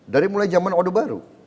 dari mulai zaman orde baru